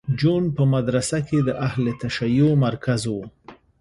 جون په مدرسه کې د اهل تشیع مرکز و